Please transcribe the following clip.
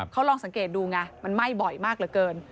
เขาลองสังเกตดูไงมันไหม้บ่อยมากเหลือเกิน